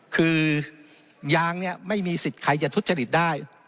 คือยางเนี่ยไม่มีสิทธิ์ใครจะทุจริตได้